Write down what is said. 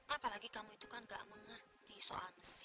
apalagi kamu itu kan gak mengerti soal mesin